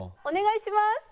お願いします！